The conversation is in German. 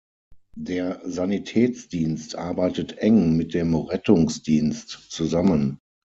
Der Sanitätsdienst arbeitet eng mit dem Rettungsdienst zusammen.